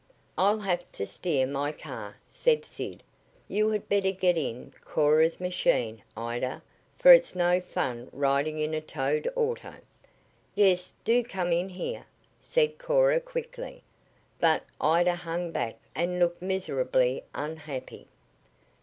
"I'll have to steer my car," said Sid. "You had better get in Cora's machine, Ida, for it's no fun riding in a towed auto." "Yes, do come in here," said Cora quickly, but Ida hung back and looked miserably unhappy.